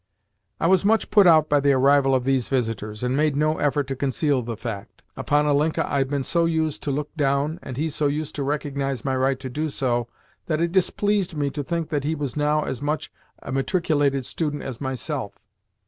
I was much put out by the arrival of these visitors, and made no effort to conceal the fact. Upon Ilinka I had been so used to look down, and he so used to recognise my right to do so, that it displeased me to think that he was now as much a matriculated student as myself.